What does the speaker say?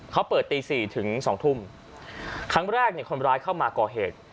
เขาเปิดตีสี่ถึงสองทุ่มครั้งแรกเนี่ยคนร้ายเข้ามาก่อเหตุ